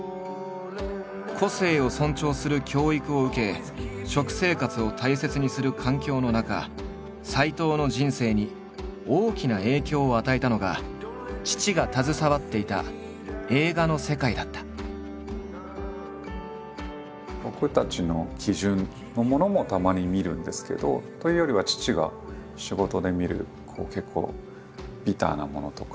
個性を尊重する教育を受け食生活を大切にする環境の中斎藤の人生に大きな影響を与えたのが僕たちの基準のものもたまに見るんですけどというよりは父が仕事で見る結構ビターなものとか。